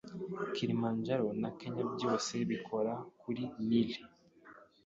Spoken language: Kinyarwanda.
Kilimanjaro na Kenya byose bikora kuri nili